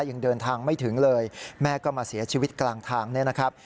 ยังเดินทางไม่ถึงเลยแม่ก็มาเสียชีวิตกลางทางเนี่ยนะครับ